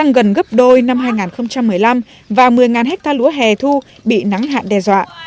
nơi năm hai nghìn một mươi năm và một mươi ha lúa hè thu bị nắng hạn đe dọa